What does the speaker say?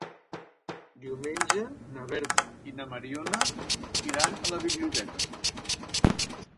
Diumenge na Berta i na Mariona iran a la biblioteca.